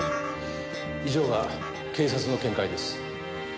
以上が警察の見解です。